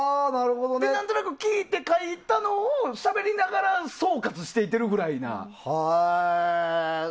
何となく聞いて書いたのをしゃべりながら総括していけるぐらいな。